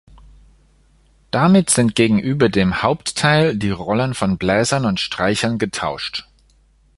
Damit sind gegenüber dem Hauptteil die Rollen von Bläsern und Streichern getauscht.